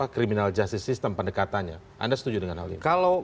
criminal justice system pendekatannya anda setuju dengan hal ini